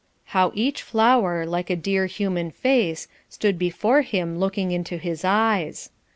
How each flower, like a dear human face, stood before him looking into his eyes.